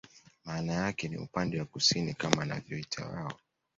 Maana yake ni upande wa kusini kama wanavyoita wao